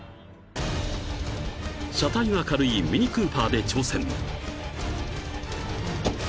［車体が軽いミニクーパーで挑戦］